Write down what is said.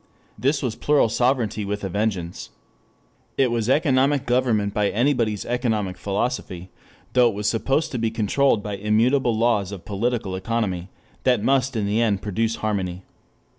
This was plural sovereignty with a vengeance. It was economic government by anybody's economic philosophy, though it was supposed to be controlled by immutable laws of political economy that must in the end produce harmony.